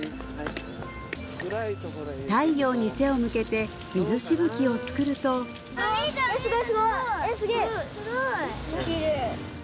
太陽に背を向けて水しぶきを作るとえっすごいすごい！